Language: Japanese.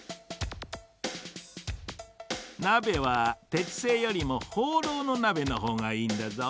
なべはてつせいよりもほうろうのなべのほうがいいんだぞ。